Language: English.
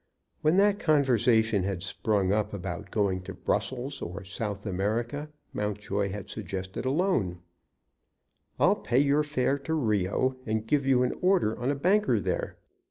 When that conversation had sprung up about going to Brussels or South America, Mountjoy had suggested a loan. "I'll pay your fare to Rio, and give you an order on a banker there."